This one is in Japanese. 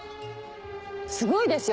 すごいですよ